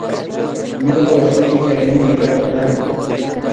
Ñuka wasipi charini yurakunata